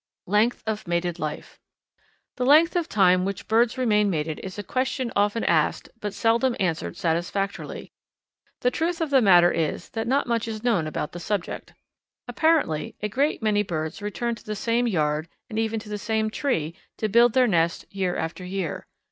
Length of Mated Life. The length of time which birds remain mated is a question often asked but seldom answered satisfactorily. The truth of the matter is that not much is known about the subject. Apparently a great many birds return to the same yard and even to the same tree to build their nest year after year.